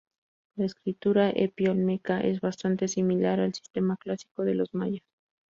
La escritura epi-olmeca es bastante similar al sistema clásico de los mayas.